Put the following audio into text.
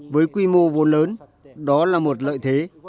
với quy mô vốn lớn đó là một lợi thế